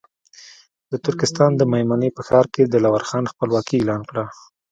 د ترکستان د مېمنې په ښار کې دلاور خان خپلواکي اعلان کړه.